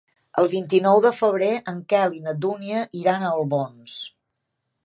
El vint-i-nou de febrer en Quel i na Dúnia iran a Albons.